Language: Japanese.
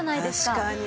確かに。